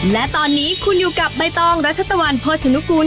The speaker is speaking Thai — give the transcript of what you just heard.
และตอนนี้คุณอยู่กับใบตองรัชตวรรณเพชรชนุกรุณค่ะ